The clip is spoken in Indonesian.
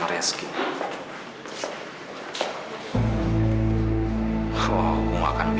oke gak mau diangkat